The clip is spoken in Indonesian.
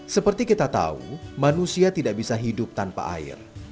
seperti kita tahu manusia tidak bisa hidup tanpa air